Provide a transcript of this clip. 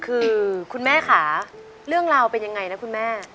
คือคุณแม่ค่ะเรื่องราวเป็นยังไงนะคุณแม่